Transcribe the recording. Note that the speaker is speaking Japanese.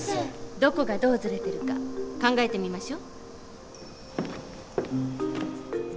どこがどうずれてるか考えてみましょ。